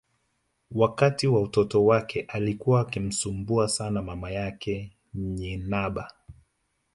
Wakati wa utoto wake alikuwa akimsumbua sana mama yake Nyanibah